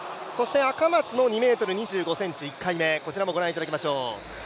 赤松の２ｍ２５ｃｍ１回目、こちらもご覧いただきましょう。